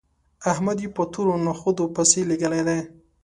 احمد يې په تورو نخودو پسې لېږلی دی